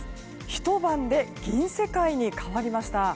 ひと晩で銀世界に変わりました。